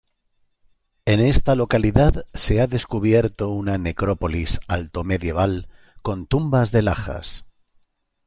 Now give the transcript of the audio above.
En esta localidad se ha descubierto una necrópolis altomedieval, con tumbas de lajas.